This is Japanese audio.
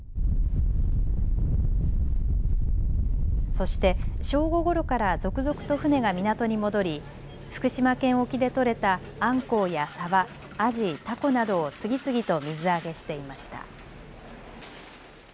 そして正午ごろから続々と船が港に戻り福島県沖で取れたアンコウやサバ、アジ、タコなどを次々と水揚げしていました。